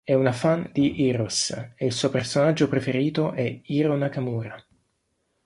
È una fan di Heroes e il suo personaggio preferito è Hiro Nakamura.